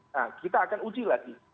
nah kita akan uji lagi